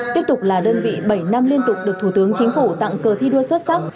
tiếp tục là đơn vị bảy năm liên tục được thủ tướng chính phủ tặng cờ thi đua xuất sắc